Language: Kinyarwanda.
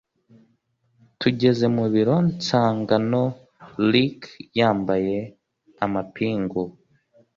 tugeze mu biro nsanga no Rickyyambaye amapingu